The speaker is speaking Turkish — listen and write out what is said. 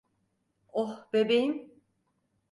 Oh, bebeğim.